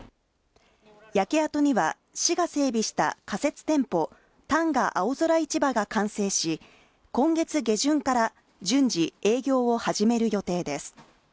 焼け跡には、市が整備した仮設店舗、旦過青空市場が完成し、今月下旬から順次、営業を始める予定です。